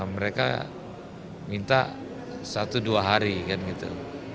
mereka minta satu dua hari kan gitu